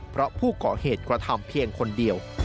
เพราะผู้ก่อเหตุกระทำเพียงคนเดียว